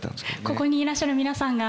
ここにいらっしゃる皆さんがきっと。